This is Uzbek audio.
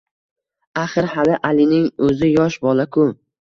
Axir hali Alining o`zi yosh bola-ku